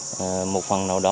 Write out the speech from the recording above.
cũng đóng góp một phần nào đó